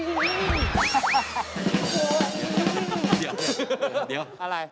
เดี๋ยวอะไร